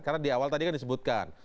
karena di awal tadi kan disebutkan